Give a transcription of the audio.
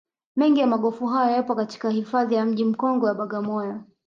Mengi ya magofu haya yapo katika hifadhi ya mji mkongwe wa Bagamoyo